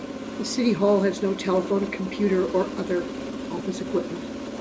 The City Hall has no telephone, computer or other office equipment.